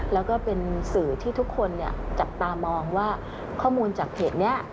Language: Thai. แล้วก็เป็นสื่อที่ทุกคนจับตามองว่าข้อมูลจากเพจนี้